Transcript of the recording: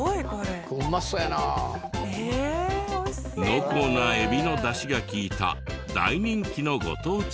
濃厚なエビのダシが利いた大人気のご当地グルメ。